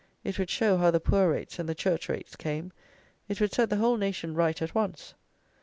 It would show how the poor rates and the church rates came. It would set the whole nation right at once.